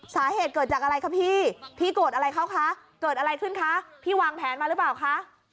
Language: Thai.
สาเหตุเกิดจากอะไรคะพี่พี่โกรธอะไรเขาคะเกิดอะไรขึ้นคะพี่วางแผนมาหรือเปล่าคะ